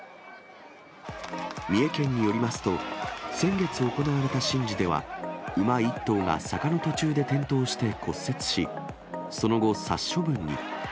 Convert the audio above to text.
三重県によりますと、先月行われた神事では、馬１頭が坂の途中で転倒して骨折し、その後、殺処分に。